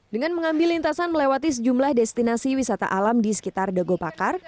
dengan mengambil lintasan melewati sejumlah destinasi wisata alam di sekitar dagopakar